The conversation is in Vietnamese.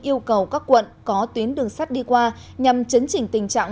yêu cầu các quận có tuyến đường sắt đi qua nhằm chấn chỉnh tình trạng